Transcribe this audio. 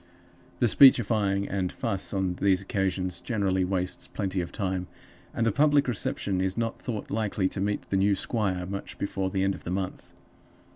The speechifying and fuss on these occasions generally wastes plenty of time, and the public reception is not thought likely to meet the new squire much before the end of the month.